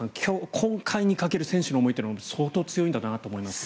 今回にかける選手の思いは相当強いんだなと思います。